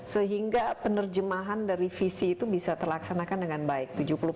sehingga penerjemahan dari visi itu bisa terlaksanakan dengan baik